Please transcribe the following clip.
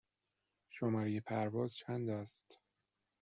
شماره پرواز چند است؟